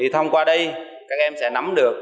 thông qua đây các em sẽ nắm được